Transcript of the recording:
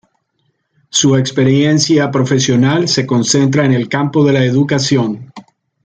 Su experiencia profesional se concentra en el campo de la educación.